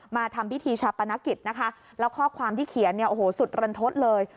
มาทำพิธีชาปนกิจนะคะแล้วข้อความที่เขียนเนี่ยโอ้โหสุดรันทศเลย